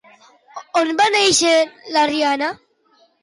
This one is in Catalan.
On va néixer la Rihanna?